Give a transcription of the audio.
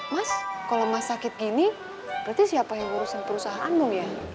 mas kalau rumah sakit gini berarti siapa yang ngurusin perusahaan bung ya